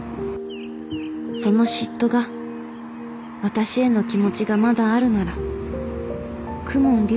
その嫉妬が私への気持ちがまだあるなら公文竜